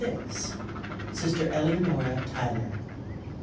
Sister Eleanora Tyler.